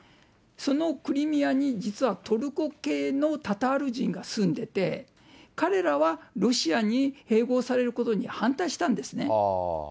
そのクリミアに、実はトルコ系のタタール人が住んでて、彼らは、ロシアに併合されることに反対したんですね。